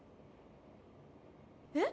え？